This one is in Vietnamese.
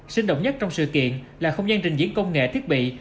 sinh động nhất trong sự kiện là không gian trình diễn công nghệ thiết bị